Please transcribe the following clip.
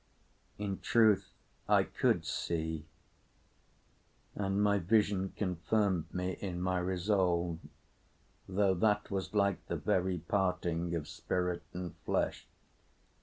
In truth I could see, and my vision confirmed me in my resolve, though that was like the very parting of spirit and flesh.